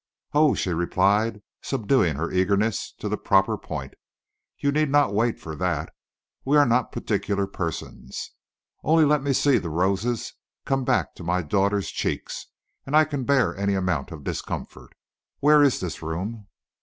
"Oh!" she replied, subduing her eagerness to the proper point, "you need not wait for that. We are not particular persons. Only let me see the roses come back to my daughter's cheeks, and I can bear any amount of discomfort. Where is this room?"